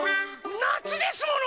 なつですもの！